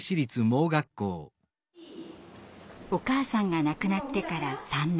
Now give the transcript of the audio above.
お母さんが亡くなってから３年。